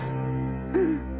うん。